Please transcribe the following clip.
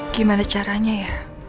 gimana caranya ya